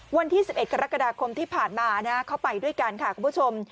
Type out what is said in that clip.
วันที่๑๑กรกฎาคมที่ผ่านมาเขาไปด้วยกันค่ะคุณผู้ชม